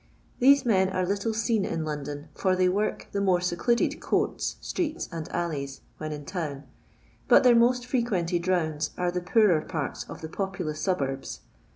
These men are little seen in London, for they " work " the more secluded courts, streets, and alleys, when in town ; but their most fre quented rounds are the poorer parts of the populous suburbs.